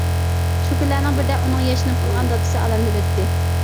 شۇ كۈنلەرنىڭ بىرىدە ئۇنىڭ ياشىنىپ قالغان دادىسى ئالەمدىن ئۆتتى.